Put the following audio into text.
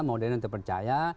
modern yang terpercaya